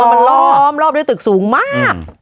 มันล้อมรอบด้วยตึกสูงมาก